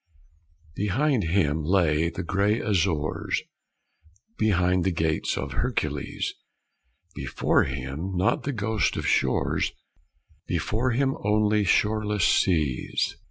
Behind him lay the gray Azores, Behind the Gates of Hercules; Before him not the ghost of shores: Before him only shoreless seas.